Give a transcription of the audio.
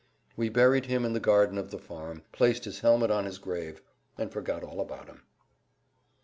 We buried him in the garden of the farm, placed his helmet on his grave, and forgot all about him.